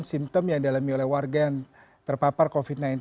simptom yang dialami oleh warga yang terpapar covid sembilan belas